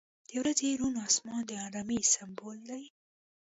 • د ورځې روڼ آسمان د آرامۍ سمبول دی.